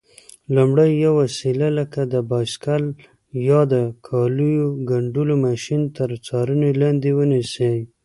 لومړی: یوه وسیله لکه بایسکل یا د کالیو ګنډلو ماشین تر څارنې لاندې ونیسئ.